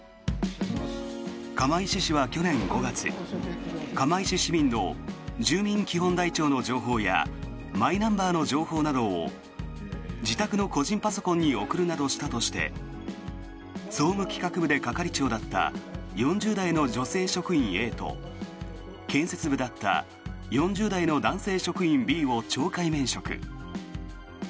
釜石市は去年５月釜石市民の住民基本台帳の情報やマイナンバーの情報などを自宅の個人パソコンに送るなどしたとして総務企画部で係長だった４０代の女性職員Ａと建設部だった４０代の男性職員Ｂを懲戒免職。